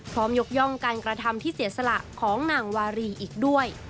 ยกย่องการกระทำที่เสียสละของนางวารีอีกด้วย